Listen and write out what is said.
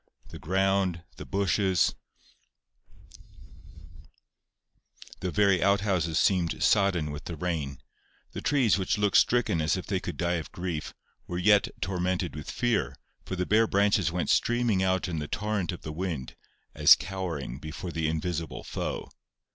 The ground, the bushes, the very outhouses seemed sodden with the rain. The trees, which looked stricken as if they could die of grief, were yet tormented with fear, for the bare branches went streaming out in the torrent of the wind, as cowering before the invisible foe.